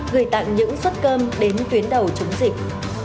gửi tặng những suất cơm đến tuyến đầu chống dịch